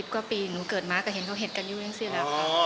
๓๐กว่าปีหนูเกิดมาก็เห็นเขาเห็ดกันอยู่อย่างเชื่อแล้ว